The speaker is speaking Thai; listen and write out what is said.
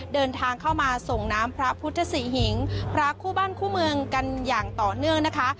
เดินทางเข้ามาส่งน้ำพระพุทธศรีหิงพระคู่บ้านคู่เมืองกันอย่างต่อเนื่องนะคะ